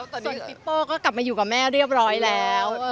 ส่วนปิ๊ปโปก็กลับมาอยู่กับแม่เรียบร้อยแล้ว